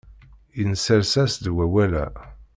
Yenser-as-d wawal-a.